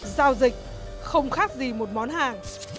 giao dịch không khác gì một món hàng